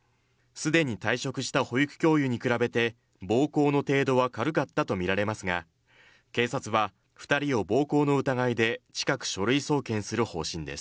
既に退職した保育教諭に比べて暴行の程度は軽かったとみられますが警察は２人を暴行の疑いで近く書類送検する方針です。